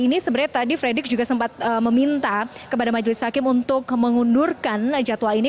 ini sebenarnya tadi frederick juga sempat meminta kepada majelis hakim untuk mengundurkan jadwal ini